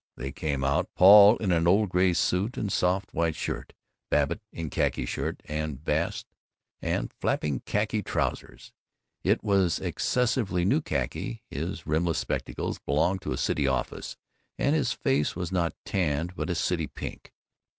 They came out; Paul in an old gray suit and soft white shirt; Babbitt in khaki shirt and vast and flapping khaki trousers. It was excessively new khaki; his rimless spectacles belonged to a city office; and his face was not tanned but a city pink.